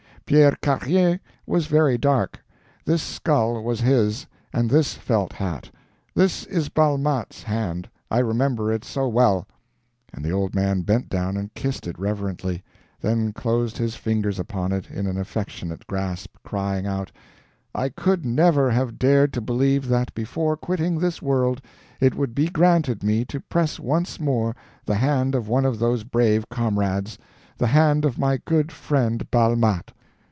Pierre Carrier was very dark; this skull was his, and this felt hat. This is Balmat's hand, I remember it so well!" and the old man bent down and kissed it reverently, then closed his fingers upon it in an affectionate grasp, crying out, "I could never have dared to believe that before quitting this world it would be granted me to press once more the hand of one of those brave comrades, the hand of my good friend Balmat."